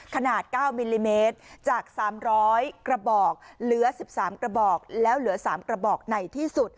ขนาดเก้ามิลลิเมตรจากสามร้อยกระบอกเหลือสิบสามกระบอกแล้วเหลือสามกระบอกไหนที่สุด